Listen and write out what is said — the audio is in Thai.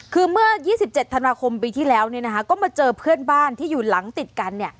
คือเมื่อ๒๗ธันวาคมปีที่แล้วก็มาเจอเพื่อนบ้านที่อยู่หลังติดกัน